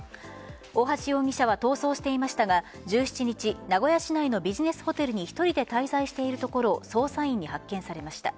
大橋容疑者は逃走していましたが１７日、名古屋市内のビジネスホテルに１人で滞在しているところを捜査員に発見されました。